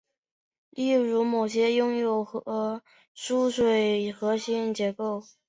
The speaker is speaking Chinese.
例如某些拥有疏水核心结构。